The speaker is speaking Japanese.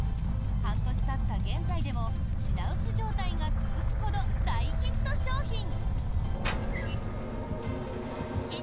半年たった現在でも品薄状態が続くほど大ヒット商品。